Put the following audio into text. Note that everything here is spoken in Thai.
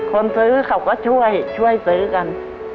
คนซื้อเขาก็ช่วยช่วยซื้อกัน